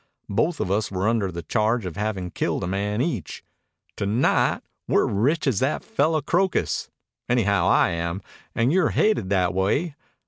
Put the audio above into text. Both of us were under the charge of havin' killed a man each. To night we're rich as that fellow Crocus; anyhow I am, an' you're haided that way.